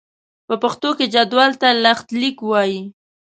په پښتو کې جدول ته لښتليک وايي.